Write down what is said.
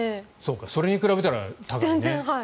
それに比べたら高かったのね。